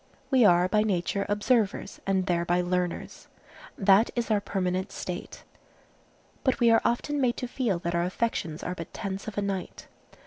We are by nature observers, and thereby learners. That is our permanent state. But we are often made to feel that our affections are but tents of a night.